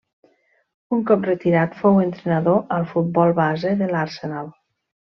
Un cop retirat fou entrenador al futbol base de l'Arsenal.